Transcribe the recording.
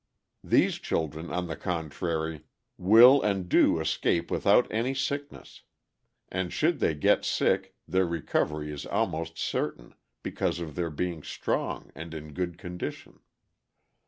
These children, on the contrary, will and do escape without any sickness; and should they get sick, their recovery is almost certain, because of their being strong and in good condition.